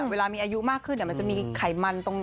เวลามีอายุมากขึ้นมันจะมีไขมันตรงนี้